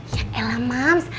ya elah mams